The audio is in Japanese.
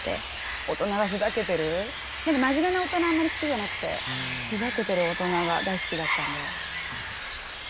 大人がふざけてる真面目な大人はあまり好きじゃなくてふざけてる大人が大好きだったので。